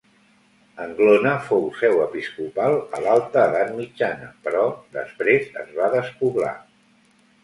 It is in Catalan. Anglona fou seu episcopal a l'alta edat mitjana però després es va despoblar.